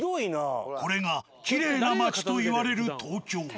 これがきれいな街といわれる東京。